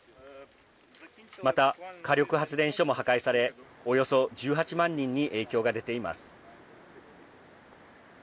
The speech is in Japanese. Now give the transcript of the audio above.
また、火力発電所も破壊されおよそ１８万人に影響が出ています。